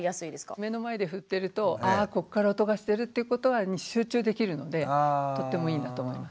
目の前で振ってるとあこっから音がしてるっていうことに集中できるのでとってもいいなと思います。